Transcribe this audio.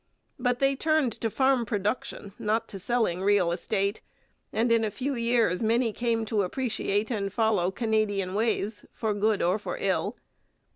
But they turned to farm production, not to selling real estate, and in a few years many came to appreciate and follow Canadian ways, for good or for ill.